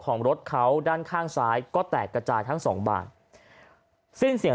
ของรถเขาด้านข้างซ้ายก็แตกกระจายทั้งสองบานสิ้นเสียง